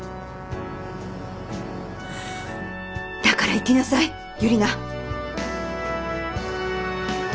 だから行きなさいユリナ。